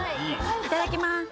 いただきます。